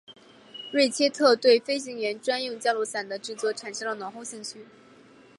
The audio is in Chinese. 瑞切特对飞行员专用降落伞的制作产生了浓厚兴趣。